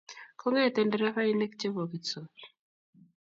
kongete nderefainik chebogitsot